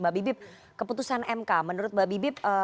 mbak bibip keputusan mk menurut mbak bibip